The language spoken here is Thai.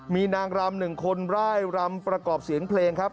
มีนางรำหนึ่งคนไล่รำประกอบเสียงเพลงครับ